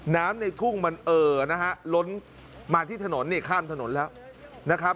น้ำในทุ่งมันเอ่อร้อนมาที่ถนนข้ามถนนแล้ว